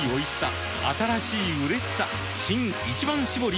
新「一番搾り」